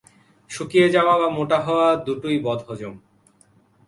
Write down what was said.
শুকিয়ে যাওয়া বা মোটা হওয়া দুটোই বদহজম।